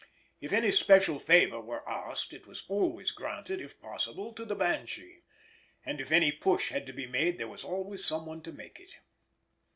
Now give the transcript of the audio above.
If any special favour were asked it was always granted, if possible, to the Banshee, and if any push had to be made there was always some one to make it.